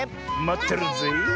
まってるよ！